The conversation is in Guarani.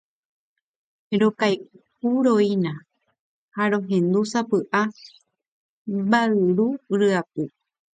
Rokay’uroína ha rohendu sapy’a mba’yru ryapu.